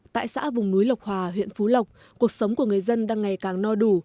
tại xã vùng núi lộc hòa huyện phú lộc cuộc sống của người dân đang ngày càng no đủ